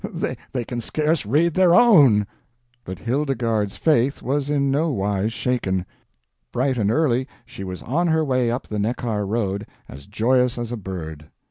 they can scarce read their own." But Hildegarde's faith was in no wise shaken. Bright and early she was on her way up the Neckar road, as joyous as a bird.